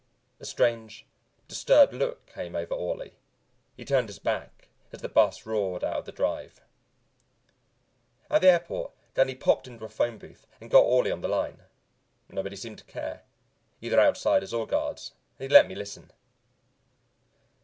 A strange, disturbed look came over Orley. He turned his back as the bus roared out of the drive. At the airport Danny popped into a phone booth and got Orley on the line nobody seemed to care, either Outsiders or guards and he let me listen.